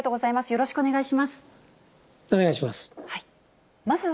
よろしくお願いします。